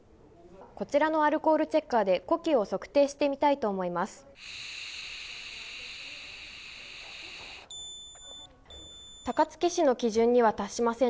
こちらのアルコールチェッカーで、呼気を測定してみたいと思います。